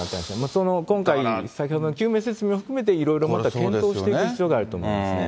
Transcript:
その今回、先ほどの救命整備も含めて、いろいろまた検討していく必要があると思いますね。